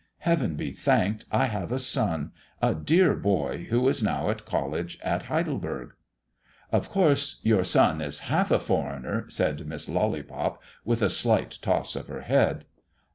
Heaven be thanked, I have a son, a dear boy, who is now at college at Heidelberg." "Of course, your son is half a foreigner!" said Miss Lollypop, with a slight toss of her head.